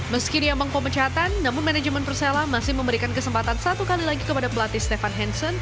meski diambang pemecatan namun manajemen persela masih memberikan kesempatan satu kali lagi kepada pelatih stefan hansen